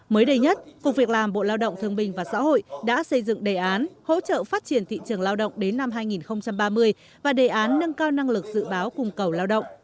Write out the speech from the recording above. mới đây nhất cục việc làm bộ lao động thương bình và xã hội đã xây dựng đề án hỗ trợ phát triển thị trường lao động đến năm hai nghìn ba mươi và đề án nâng cao năng lực dự báo cung cầu lao động